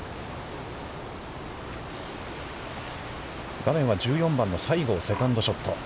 画面は１４番の西郷、セカンドショット。